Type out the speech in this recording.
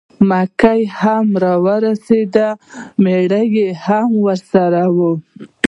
مکۍ هم را ورسېده مېړه یې هم ورسره و.